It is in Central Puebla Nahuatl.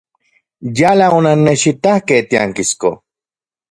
Yala onannechitakej tiankisko.